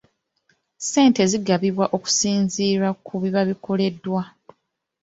Ssente zigabibwa okusinziira ku biba bikoleddwa.